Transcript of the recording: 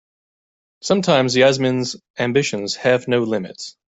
Sometimes Yasmin's ambitions have no limits.